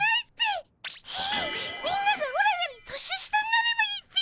みんながオラより年下になればいいっピ！